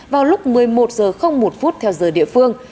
vào lúc một mươi một h một theo giờ địa phương